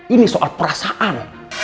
ini soal perasaan